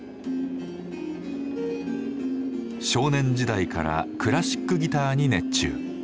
少年時代からクラシックギターに熱中。